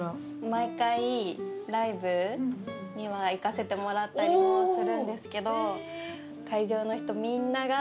毎回ライブには行かせてもらったりもするんですけど。